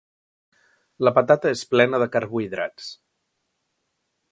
La patata és plena de carbohidrats.